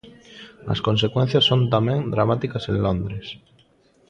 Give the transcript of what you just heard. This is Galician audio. As consecuencias son tamén dramáticas en Londres.